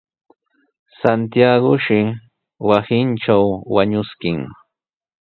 Santiagoshi wasintraw wañuskin.